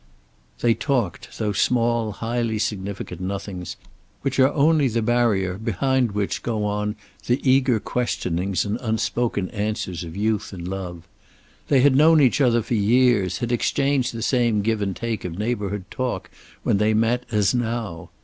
They talked, those small, highly significant nothings which are only the barrier behind which go on the eager questionings and unspoken answers of youth and love. They had known each other for years, had exchanged the same give and take of neighborhood talk when they met as now.